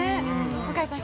向井さん